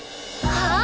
はあ！？